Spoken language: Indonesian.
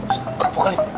sial kenapa kali